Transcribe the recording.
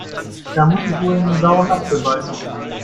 Da muss ich wohl in den sauren Apfel beißen.